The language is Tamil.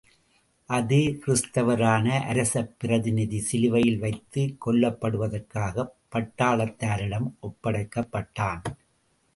அதே கிறிஸ்துவரான அரசப் பிரதிநிதி சிலுவையில் வைத்துக் கொல்லப்படுவதற்காகப் பட்டாளத்தாரிடம் ஒப்படைக்கப்பட்டான்.